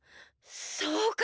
そうか！